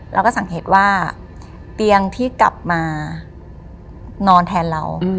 เราก็สังเกตว่าเตียงที่กลับมานอนแทนเรา